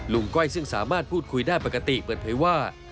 ก้อยซึ่งสามารถพูดคุยได้ปกติเปิดเผยว่า